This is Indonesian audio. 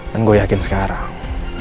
dan gue yakin sekarang